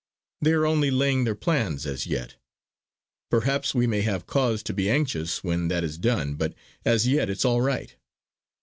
They are only laying their plans as yet. Perhaps we may have cause to be anxious when that is done; but as yet it's all right.